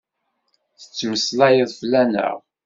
Tettmeslayeḍ fell-aneɣ?